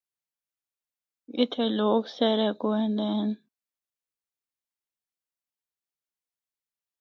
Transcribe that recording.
لوگ اِتھا سیرا کو ایندے ہن۔